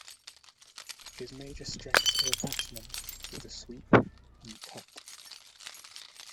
His major strengths as a batsman were the sweep and the cut.